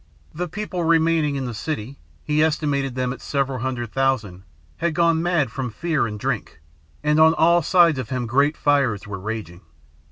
The people remaining in the city he estimated them at several hundred thousand had gone mad from fear and drink, and on all sides of him great fires were raging.